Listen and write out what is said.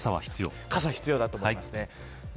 傘が必要だと思います。